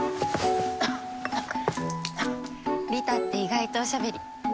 リタって意外とおしゃべり。